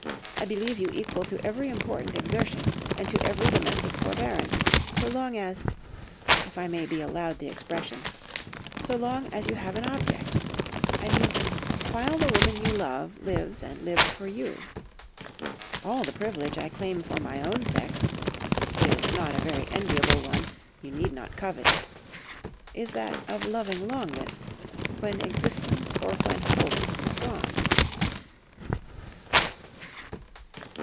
I believe you equal to every important exertion and to every domestic forbearance, so long as—if I may be allowed the expression—so long as you have an object. I mean while the woman you love lives and lives for you. All the privilege I claim for my own sex (it is not a very enviable one, you need not covet it) is that of loving longest, when existence or when hope is gone.